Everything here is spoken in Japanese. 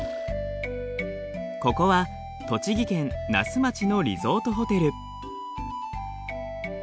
ここは栃木県那須町のリゾートホテル。